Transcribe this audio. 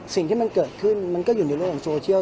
สิ่งที่มันเกิดขึ้นมันก็อยู่ในโลกของโซเชียล